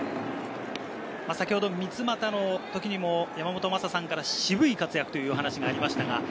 三ツ俣の時にも、山本昌さんから渋い活躍という話がありました。